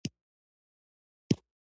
پلاستيکي توکي د شفافو کڅوړو په ډول هم وي.